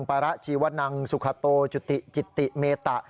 ประชีวนังสุขโตจุติจิตติเมตะ